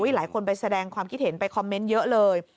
หลายคนไปแสดงความคิดเห็นไปคอมเมนต์เยอะเลย